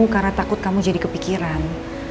karena takut kamu jadi kepikiran